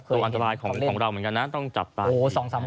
ดูอันตรายของเราเหมือนกันนะต้องจับตา